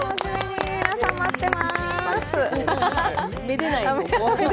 皆さん、待ってま−す。